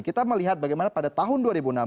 kita melihat bagaimana pada tahun dua ribu enam belas